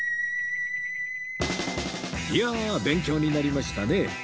いやあ勉強になりましたね